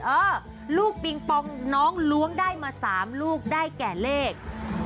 เออลูกปิงปองน้องล้วงได้มา๓ลูกได้แก่เลข